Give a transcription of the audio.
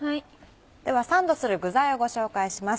ではサンドする具材をご紹介します